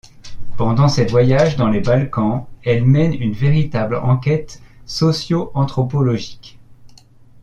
Pendant ses voyages dans les Balkans elle mène une véritable enquête socioanthropologique.